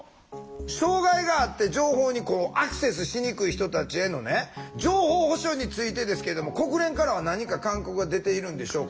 障害があって情報にアクセスしにくい人たちへのね情報保障についてですけども国連からは何か勧告が出ているんでしょうか？